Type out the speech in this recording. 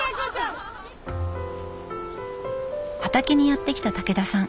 畑にやって来た武田さん。